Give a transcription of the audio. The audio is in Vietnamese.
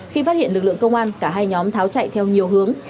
khi phát hiện lực lượng công an cả hai nhóm tháo chạy theo nhiều hướng